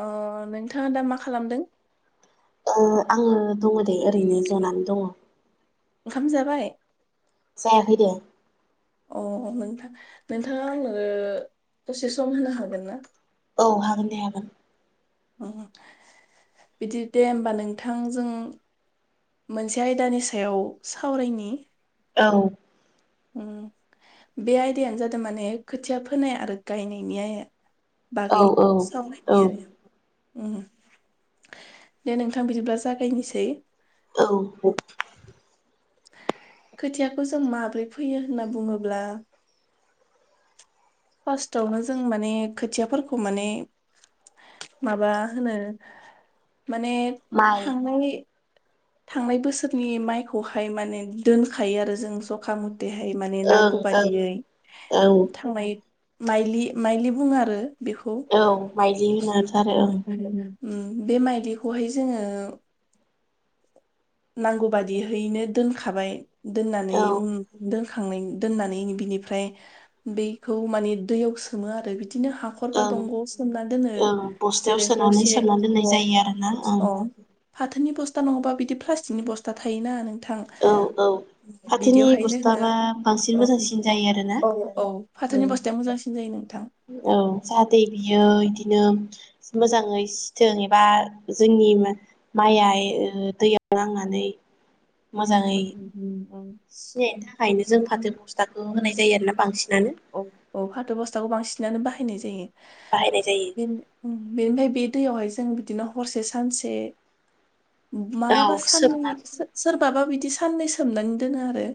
अ नोंथाङा दा मा खालामदों। अ आङो दङ' दे ओरैनो जनानै दङ'। ओंखाम जाबाय? जायाखै दे। अ नोंथां नोंथाङा आंनो दसे सम होनो हागोन ना? औ हागोन दे हागोन। अ बिदि दे होमबा नोंथां जों मोनसे आयदानि सायाव सावरायनि। औ उम बे आयदायानो जादों माने खोथिया फोनाय आरो गायनायनि आया औ बागै औ औ सावरायनाय [unintelligible] उम दे नोंथां बिदिब्ला जागायनोसै। औ अ। खोथियाखौ जों माब्रै फैयो होनना बुङोब्ला फार्स्टावनो जों माने खोथियाफोरखौ माने माबा होनो माने माइ थांनाय थांनाय बोसोरनि माइखौहाय माने दोनखायो आरो जों जखा मु बेैहाय माने ओं नांगौ ओं बादियै औ थांनाय माइलि माइलि बुङो आरो बिखौ औ माइलि होनोथ' आरो ओं [inaudible] उम बे माइदिखौहाय जोङो नांगौ बादिहैनो दोनखाबाय दोननानै औ उन दो खांनाय दोन्नानै बिनिफ्राय बेखौ माने दैयाव सोमो आरो बि- बिदिनो हाखरबा ओं दंगयाव सोमना दोनो ओं बस्थायाव जेरै सोनानै हरसे सोमना दोननाय अ जायो आरोना ओं अ फाथोनि बस्था नङाबा बिदि प्लासटिक नि बस्था थायोना नों औ औ फाथोनि बस्था बा जोङो बांसिन मोजांसिन जायो आरो ना औ औ औ फाथोनि बस्थाया मोजांसिन जायो नोंथां। औ जाहाथे बियो बि बिदिनो औ मोजाङै सिथों एबा जोंनि माइया ओ दैयाव नांनानै [inaudible] सिनायनि थाखायनो जों उम फाथो बस्थाखौ होनाय जायो आरोना बांसिन औ औ फाथो बस्थाखौ बांसिनानो बा हायनाय जायो बाहायनाय जायो बेन बिनिफाय बे दैयावहाय जों बिदिनो हरसे सानसे मालाबा औ सोमना साननै सो-सोरबाबा बिदि साननै सोमनानै दोनो आरो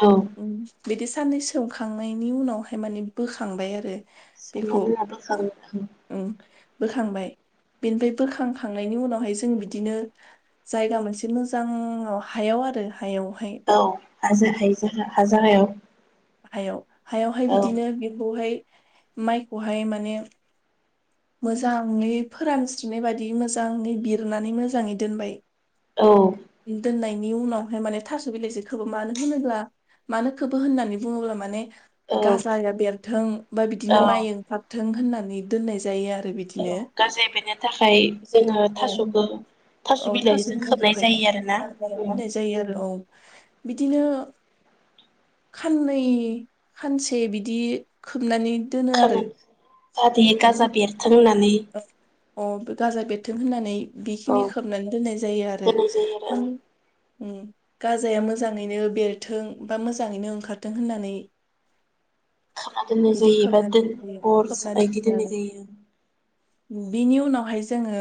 औ उम बिदि सान्नै सोमखांनाय नि उनावहाय माने बोखांबाय आरो बेखौ उम [unintelligible] बोखांबाय बेनिफ्राय बोखांखांनायनि उनावहाय जों बिदिनो जायगा मोनसे मोजांआव हायाव आरो हायावहाय औ हाजोहाय हाजाहायाव हायाव हायावहाय बिदिनो बेखौहाय माइखौहाय माने मोजाङै फोरानस्रिनाय बादि मोजाङै बिरनानै मोजाङै दोनबाय। औ दोननाय नि उनावहाय माने थास बिलाइजोखोबो मानो होनोब्ला मानो खोबो होननानै बुङोब्ला माने औ गाजाया बेरथों बा बिदिनो माइ ओंखारथों होननानै दोननाय जायो आ औ गाजाय बेरनो थाखाय जोङो औ थासबो औ थास बिलाइ [unintelligible] उम होनानाय जायो आरो औ बि बिदिनो खाननै खानसे बिदि खोबनानै दोनो आरो खोबनानै जाहाथे गाजा बेरथों होननानै अ गाजा बेरथों होननानै औ बेखिनि खोबनानै दोननाय जायो आरो दोननाय जायो आरो ओं माने- उम गाजाया मोजाङैनो बेरथों बा मोजाङैनो ओंखारथों होननानै खाना दोननाय बिदि जायो एबा खोबना दोन दोननाय जायो अर खोबना बायदि दोनो दोननाय आरो जायो बिनि उनावहाय जोङो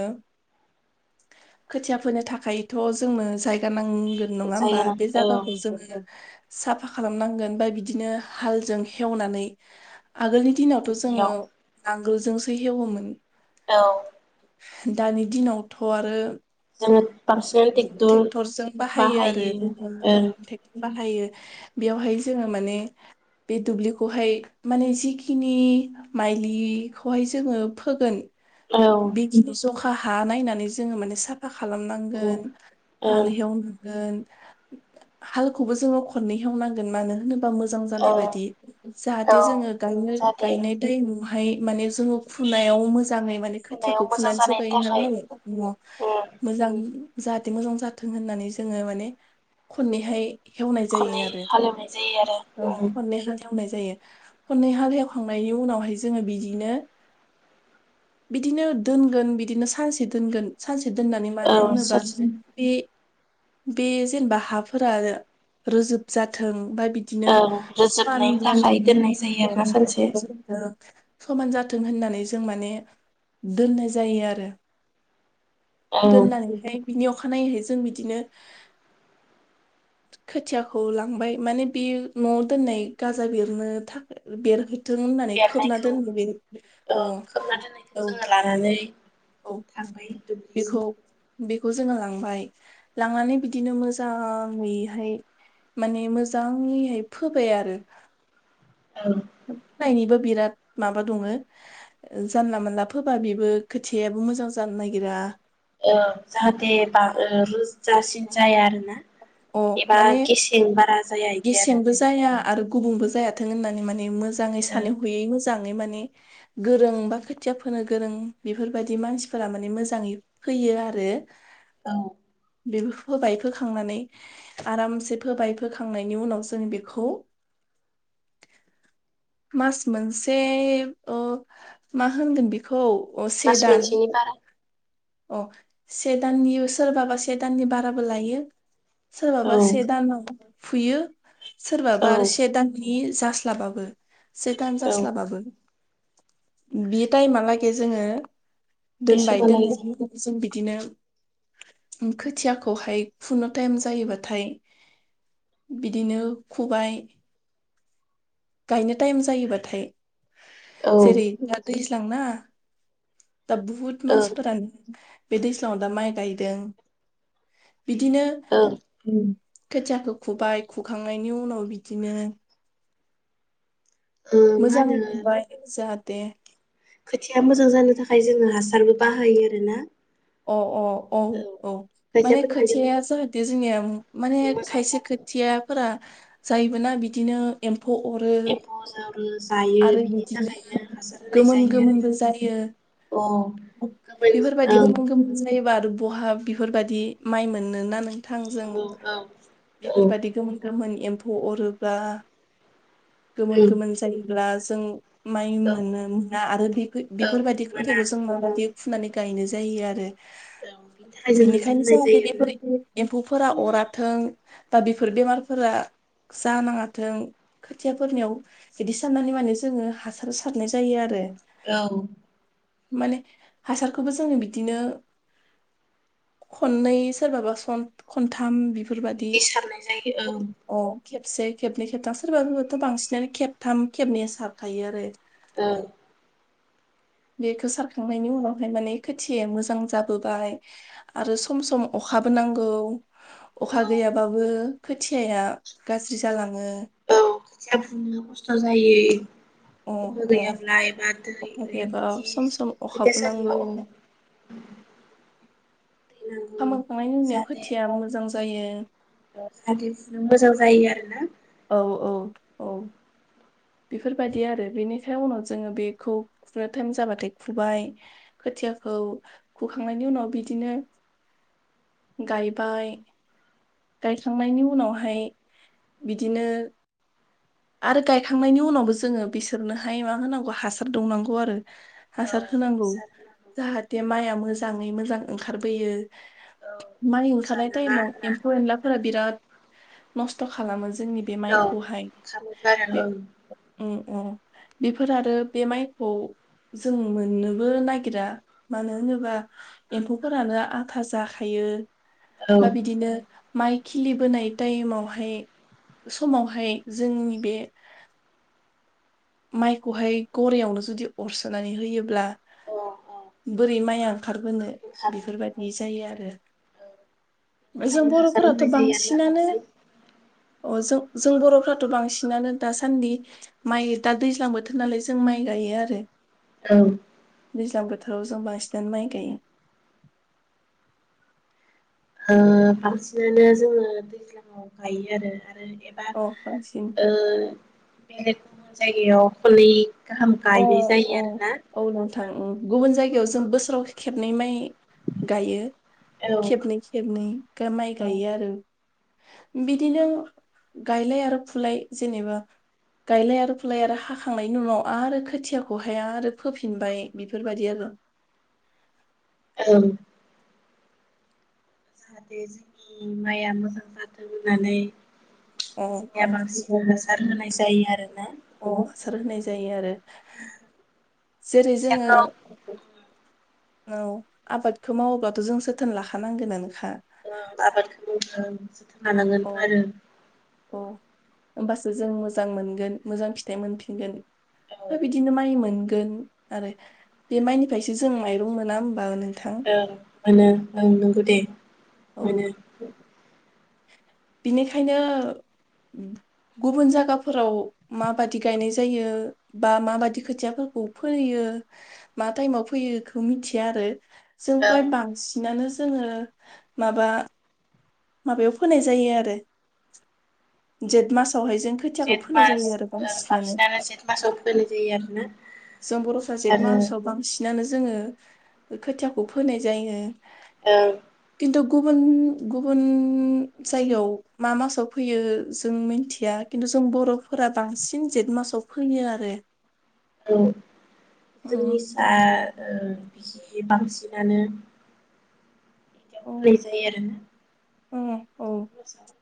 खोथिया फोनो थाखायथ जोंनो जायगा नांगौ नांगोन नङा होमबा जायगा बे औ जायगाखौ जोङो साफा खालामनांगोन बा बिदिनो हालजों हेवनानै आगोलनि दिनावथ दुब्लियाव जोङो नां गोलजोंसो हेवोमोन औ दानि दिनावथ' आरो जोङो पार्सनेल ट्रेक्टर ट्रेक्टरजों आरो बाहायो ओं ट्रेक्टर बाहायो बेयावहाय जोङो माने बे दुब्लिखौहाय माने जिखिनि माइलिखौहाय जोङो फोगोन औ बेदिनो जखा खा हा नायनानै जोङो माने साफा खालाम ओं गोन हाल ओं एवहोगोन हालखौबो जोङो खननैहेवनांगोन मानो होनोब्ला बा मोजां औ जानाय बाददि औ जाहाथे जोङो गायनो जाहाथे गायनाय टाइम बहाय माने जोङो फुनायाव मोजां मोजाङै माने फुनायाव खोथियाखौ मोजां फुनानैसो जानायनि गायो थाखाय नालाय अ उम मोजां जाहाथे मोजां जाथों होननानै जोङो माने खननैहाय हेवनाय जायो खननै आरो हालेवनाय जायो आरो बुंनाय जायो खननै हाल एवखांनायनि उनावहाय जोङो बिदिनो बिदिनो दोनगोन बिदिनो सानसे दोनगोन सानसे दोननानै औ मानो होनोब्ला औ बे बे जेनेबा हाफोरा रोजोब जाथों बा बिदिनो रोजोबनायनि थाखाय दोननाय जायो आरोना सानसे [unintelligible] समान जाथों होननानै जों माने दोननाय जायो आरो औ दोननानैहाय बिनि अखानायैहाय जों बिदिनो खोथियाखौ लांबाय माने बे न'आव दोननाय गाजा बेरनो थाखाय बेरहै थों होननानै खोबना बेरनायखौ दोन बे औ अ खोबना दोननायखौ औ जोङो लानानै औ थांबाय बेखौ दुबलिसिम बेखौ जोङो लांबाय लांनानै बिदिनो मोजाङैहाय माने मोजाङैहाय फोबाय आरो औ फायनिबो बिराद माबा दङ जानला मोनानला फोबा बेबो खोथियाबो मोजां जानो नागिरा ओ जाहाथे बा ओ रोजो जासिन जाया आरोना अ एबा माने गेसेन बारा जाया इदि आरो गेसेंबो जाया आरो गुबुंबो जायाथों होननानै माने मोजां मोजाङै ओं सानै हयै मोजां मोजाङै माने गोरों बा खोथिया फोनो गोरों बेफोरबायदि मानसिफोरा माने मोजाङै फैयो आरो औ बेबो फोबाय फोखांनानै आरामसे फोबाय फोखां थांनायनि उनाव जों बेखौ मास मोनसे ओ मा होनोन बेखौ अ से मास दान मोनसेनि बारा अ से दाननि सोरबाबा से दाननि बाराबो लायो सोरबाबा औ से दान नांगौ फुयो औ सोरबाबा से दाननि बे जास्लाबाबो से दान औ जास्लाबाबो बे टाइमालागै जोङो बे दोन बाय दोन समहालागै जों बिदिनो खोथियाखौहाय फुनो टाइम जायोबाथाय बिदिनो खुबाय गायनो टायेम जायोबाथाय औ ओं जेरै दा दैज्लांना दा बुहुथ ओं मानसिफोरानो बे दैज्लाङाव दा माइ गायदों बिदिनो उम खोथियाखौ खुबाय खुखांनायनि उनाव बिदिनो ओ मा मोजाङै होनो मोनबाय जाहा दे खोथिया मोजां जानो थाखाय जोङो हासारबो बाहायो आरो ना अ अ औ औ माने खोथियाफोरनि थाखाय जों खोथियाया जाहाथे जोंनिया उम माने मोजां खायसे जाथों खोथियाफोरा जायोबो ना बिदिनो फ अरो एम्फौ जों जायो आरो बिनि बिदिनो थाखायनो हासार होनाय गोमोन जायो गोमोनबो आरोना जायो अ गोमोन बेफोरबायदि ओं गोमोन गोमोन जायोबा आरो बहा बिफोरबादि माइ मोननो ना नों थांजों औ औ औ बेफोरबायदि गोमोन गोमोन एम्फौ अरोबा गोमोन ओं गोमोन जायो। अब्ला जों माइ औ मोन मोना आरो बे औ बेफोर-बेफोरबायदि मोना खोथियाखौ जों माबादि फुनानै गायनो जायो आरो। औ बिनि थाखाय जों हासार बिनिखायनो होनाय जाहाते जायो बेफोर आरोना एम्फौ फोरा अराथों बा बेफोर बेमारफोरा जानाङाथों खोथियाफोरनियाव बिदि साननानै माने जोङो हासार सारनाय जायो आरो। औ। माने हासारखौबो जोङो बिदिनो खननै सोरबाबा सन खनथाम बिफो इदि सारनाय जायो औ। खेबसे खेबनै खेबथाम सोरबाफोरबोथ‌ बांसिनानो खेब। थाम खेबनैया सारखायो आरो। ओं। बेखौ सारखांनायनि उनावहाय माने खोथिया या मोजां जाबोबाय आरो सम-सम अखाबो नांगौ। अखा औ गैयाबाबो खोथियाया गाज्रि जालाङो। औ खोथिया फुनो खस्थ जायो। अ अखा अ गैयाब्ला एबा दै अखा गैयाबा सम सम [unintelligible] खोथिया अखाबो नांगौ सालियाव। अखा मोनखांनायनि उनाव खोथिया मोजां जायो। [inaudible] जाहाथे मोजां जायो आरो ना। औ औ औ। बेफोरबायदि आरो बेनिखाय उनाव जोङो बेखौ फुनो टाइम जाबाथाय फुबाय खोथियाखौ फुखांनायनि उनाव बिदिनो गायबाय। गायखांनायनि उनावहाय बिदिनो आरो गायखांनायनि उनावबो जोङो बिसोरनोहाय मा होनांगौ हासार दौनांगौ आरो। औ हासार होनांगौ हासार होनांगौ जाहाथे माइआ मो मोजाङै मोजां ओंखारबोयो। औ माइ एम्फौ ओंखारनाय जानाङा टाइमाव आरोना एम्फौ एनलाफोरा बिराद नस्थ खालामो ज जोंनि बे औ माइखौहाय। [unintelligible] अ बेफोर आरो बे माइखौ जों मोननोबो नागिरा मानो होनोबा एम्फौफोरानो आधा जाखायो। बा ओं बिदिनो माइ खिलिबोनाय टाइमावहाय समावहाय जोंनि बे माइखौहाय गरेयावनो जुदि अरसोनानै होयोब्ला औ अ अ बोरै माइआ ओंखारग होनो ओंखारनो बेफोरबायदि औ जायो आरो बेनि बे जों थाखायनो हासार बर'फोराथ होनाय जायो आरोना बांसिनानो बांसिन अ जों जों बरफ्राथ बांसिनानो दासान्दि माइ दा दैज्लां बोथोर नालाय जों माइ गायो आरो। औ दैज्लां बोथोराव जों बांसिनानै माइ गायो। ओ बांसिनानो जोङो दैज्लाङाव गायो आरो आरो एबा औ बांसिन ओ बे [unintelligible] जायगायाव खननै अ अ औ नोंथां उम गुबुन जायगायावसो जों बोसोराव खेबनै माइ गायो औ खेबनै खेबनै गा माइ औ गायो आरो। बिदिनो गायलाय आरो फुलाय जेनेबा गायलाय आरो फुलाय आरो हाखांनायनि उनाव आरो खोथियाखौहाय आरो फोफिनबाय बेफोरबायदि आरो। औ जाहाथे जोंनि माइया मोजां जाथों होननानै अ अ जोंनिया बांसिन हासार होनाय जायो आरोना। अ हासार होनाय जायो आरो। जेरै जोङो खोथियाखौ औ आबादखौ मावोबाथ जों जोथोन लाखानांगोनानो अ आबादखौ [unintelligible] लानांगोनथ आरो अ होमबासो जों मोजां मोनगोन मोजां फिथाइ मोनफिनगोन‌। औ हो बिदिनो माइ मोनगो गोन आरो बे माइनिफ्रायसो जों माइरं मोना होमबा नों ओं मोनो ओं नंगौ दे। औ मोनो बिनिखायनो गुबुन जागाफोराव माबादि गायनाय जायो बा माबादि खोथियाफोरखौ फोयो मा टाइमाव फोयो बेखौ मिथिया आरो। जों ओं प्राय बांसिनानो जोंङो माबा माबायाव फोनाय जायो आरो जेठ मास [unintelligible] खोथियाखौ जेठ फोनाय मास जायो आरो ओं बांसिनानो जेठ मासाव फोनाय जायो आरोना [unintelligible] आरो बांसिनानो जोङो खोथियाखौ फोनाय जायो। ओं। गुबुन गुब उन उम जायगायाव मा मासाव फैयो जों मिनथिया खिन्थु जों बर'फोरा बांसिन जेठ मासाव फैयो आरो। औ। उम जोंनिसा। ओ बिदि बांसिनानो। बिदियाव औ फोलाय जायो आरोना। औ औ अ सार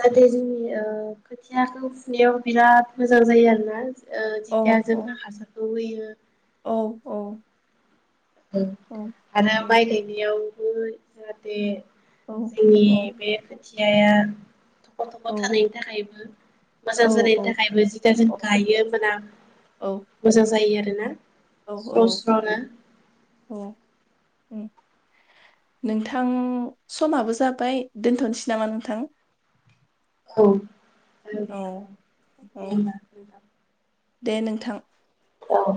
जाहाथे जोंनि ओ खोथियाखौ फुनायाव बिराद मोजां जायो आरो ना। ओ जिथिया औ जोंना हासारखौ होयो। औ औ। औ आरो उम माय गायनायाव‌। गै जाहाथे। औ जोंनि औ बे खोथियाया गथ'फोर औ थानायनि थाखायबो मोजां औ जानायनि थाखायबो जिगाजों गायो मोना औ मोजां जायो आरो। ना। औ औ अ उम नोंथां समाबो जाबाय दोनथ'नोसै नामा नोंथां? [unintelligible] औ औ दे औ दे होमबा‌ दे नोंथां औ